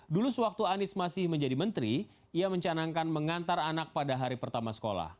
dulu sewaktu anies masih menjadi menteri ia mencanangkan mengantar anak pada hari pertama sekolah